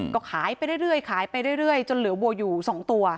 ก็ขายไปเรื่อยจนเหลือวัวอยู่๒ตัว